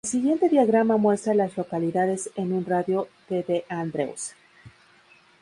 El siguiente diagrama muestra a las localidades en un radio de de Andrews.